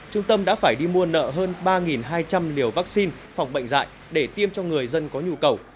trung tâm đã phải đi mua nợ hơn ba hai trăm linh liều vaccine phòng bệnh dạy để tiêm cho người dân có nhu cầu